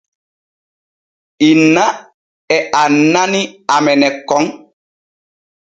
Inna e annani amene kon.